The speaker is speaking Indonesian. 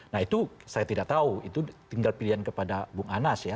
nah itu saya tidak tahu itu tinggal pilihan kepada bung anas ya